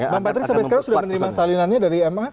bapak tris sampai sekarang sudah menerima salinannya dari ma